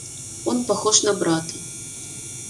Он похож на брата.